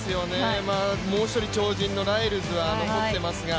もう１人超人のライルズは残っていますが。